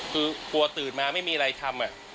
คือกลัวตื่นมาไม่มีอะไรทำ